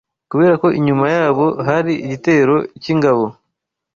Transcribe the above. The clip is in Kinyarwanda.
kubera ko inyuma yabo hari igitero cy’ingabo